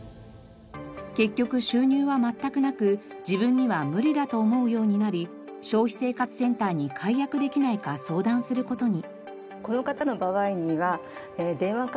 結局収入は全くなく自分には無理だと思うようになり消費生活センターに解約できないか相談する事に。